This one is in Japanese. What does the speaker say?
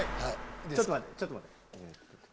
ちょっと待ってちょっと待って。